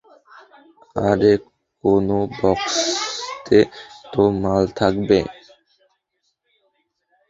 আরে কোনো বাক্সতে তো মাল থাকবে?